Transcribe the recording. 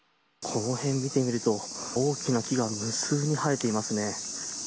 この辺を見てみると大きな木が無数に生えていますね。